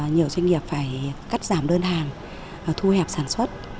nhiều doanh nghiệp phải cắt giảm đơn hàng thu hẹp sản xuất